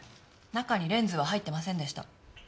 中にレンズは入ってませんでした。